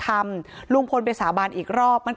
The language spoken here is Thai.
การแก้เคล็ดบางอย่างแค่นั้นเอง